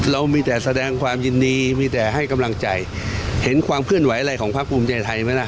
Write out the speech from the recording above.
เรามีแต่แสดงความยินดีมีแต่ให้กำลังใจเห็นความเคลื่อนไหวอะไรของภาคภูมิใจไทยไหมล่ะ